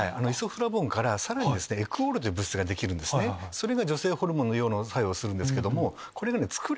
それが女性ホルモンのような作用をするんですけども。